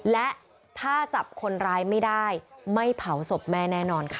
และถ้าจับคนร้ายไม่ได้ไม่เผาศพแม่แน่นอนค่ะ